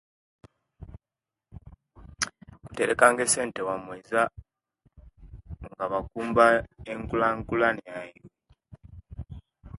Kutereka nga esente wamoiza nga bakumba enkulakulana yaibwe